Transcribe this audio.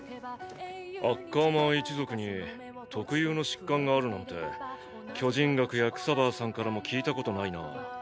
アッカーマン一族に特有の疾患があるなんて巨人学やクサヴァーさんからも聞いたことないな。